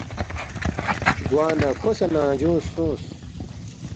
گوا نہ کھو سہ ننگجونگ سونگس